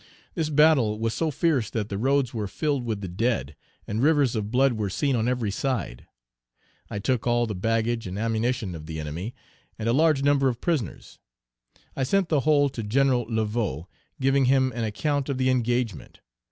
This battle was so fierce that the roads were filled with the dead, and rivers of blood were seen on every side. I took all the baggage and ammunition of the enemy, and a large number of prisoners. I sent the whole to Gen. Laveaux, giving him an account of the engagement.